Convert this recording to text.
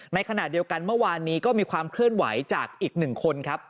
ในขณะเดียวกันเมื่อวานนี้ก็มีความเคลื่อนไหวจากอีกหนึ่งคนครับ